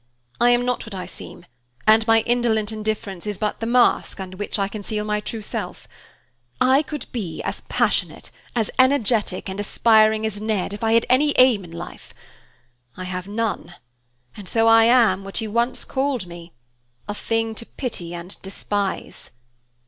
I am not what I seem, and my indolent indifference is but the mask under which I conceal my real self. I could be as passionate, as energetic and aspiring as Ned, if I had any aim in life. I have none, and so I am what you once called me, a thing to pity and despise."